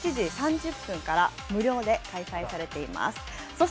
午前７時３０分から、無料で開催されています。